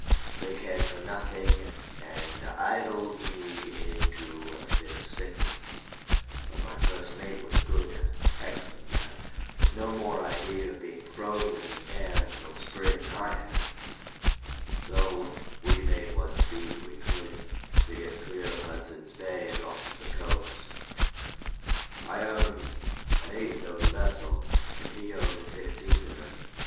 They cared for nothing, and idled me into a fit of sickness; but my first mate was a good, excellent man, with no more idea of being frozen in there until spring than I had, so we made what speed we could to get clear of Hudson's Bay and off the coast. I owned an eighth of the vessel, and he owned a sixteenth of her.